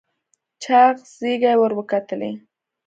چاغ زيږې ور وکتلې.